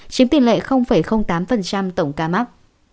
chiếm tiền lệ tám tổng ca mắc